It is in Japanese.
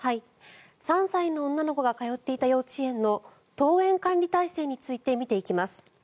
３歳の女の子が通っていた幼稚園の登園管理体制について見ていきます。